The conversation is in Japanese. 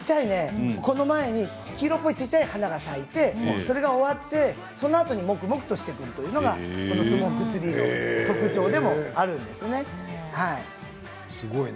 この前に黄色っぽい小さい花が咲いて、それが終わってもくもくしてくるのがこのスモークツリーの特徴でもすごいな。